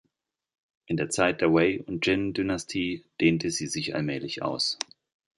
In der Zeit der Wei- und Jin-Dynastie dehnte sie sich allmählich aus.